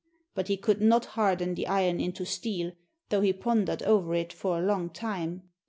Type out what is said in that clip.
But he could not harden the iron into steel, though he pondered over it for a long time.